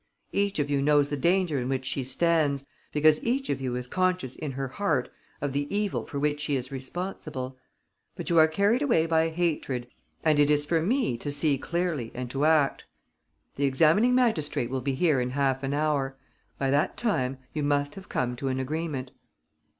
Each of you knows the danger in which she stands, because each of you is conscious in her heart of the evil for which she is responsible. But you are carried away by hatred; and it is for me to see clearly and to act. The examining magistrate will be here in half an hour. By that time, you must have come to an agreement."